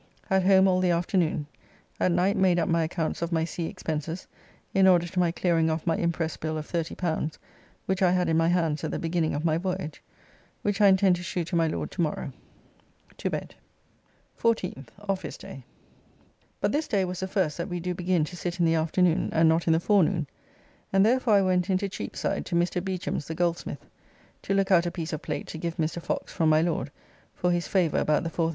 At home all the afternoon. At night made up my accounts of my sea expenses in order to my clearing off my imprest bill of L30 which I had in my hands at the beginning of my voyage; which I intend to shew to my Lord to morrow. To bed. 14th (Office day). But this day was the first that we do begin to sit in the afternoon, and not in the forenoon, and therefore I went into Cheapside to Mr. Beauchamp's, the goldsmith, to look out a piece of plate to give Mr. Fox from my Lord, for his favour about the L4,000, and did choose a gilt tankard.